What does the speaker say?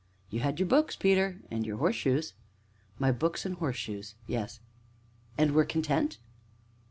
"You had your books, Peter, and your horseshoes." "My books and horseshoes, yes." "And were content?"